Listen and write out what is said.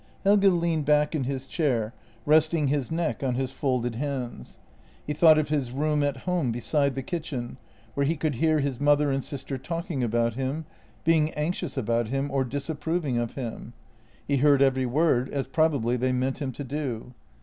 Helge leaned back in his chair, resting his neck on his folded hands. He thought of his room at home, beside the kitchen, where he could hear his mother and sister talking about him, being anxious about him or dis approving of him. He heard every word, as probably they meant him to do.